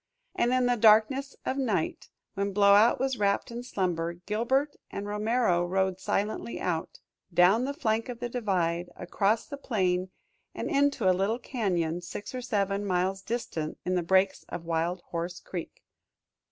And in the darkness of night, when Blowout was wrapped in slumber, Gilbert and Romero rode silently out, down the flank of the divide, across the plain and into a little cañon six or seven miles distant in the breaks of Wild Horse Creek.